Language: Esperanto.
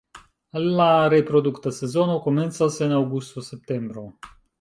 La reprodukta sezono komencas en aŭgusto-septembro.